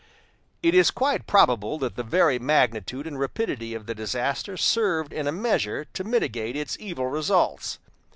It is quite probable that the very magnitude and rapidity of the disaster served in a measure to mitigate its evil results.